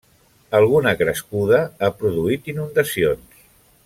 Alguna crescuda ha produït inundacions.